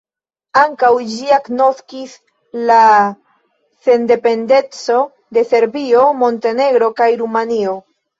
Ankaŭ ĝi agnoskis la sendependecon de Serbio, Montenegro kaj Rumanio.